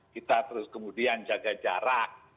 kita terus kemudian jaga jarak